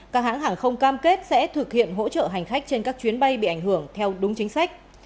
các hãng hàng không cam kết sẽ thực hiện hỗ trợ hành khách trên các chuyến bay bị ảnh hưởng theo đúng chính sách